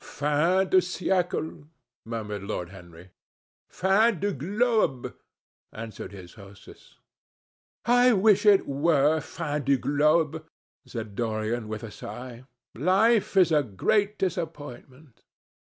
"Fin de siêcle," murmured Lord Henry. "Fin du globe," answered his hostess. "I wish it were fin du globe," said Dorian with a sigh. "Life is a great disappointment."